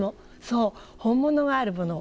そう本物があるもの